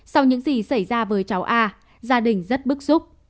sau những gì xảy ra với cháu a gia đình rất bức xúc